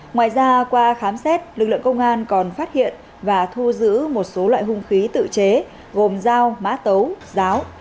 ngoài ra qua khám xét lực lượng công an còn phát hiện và thu giữ một số loại hung khí tự chế gồm dao mã tấu ráo